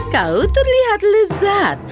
kau terlihat lezat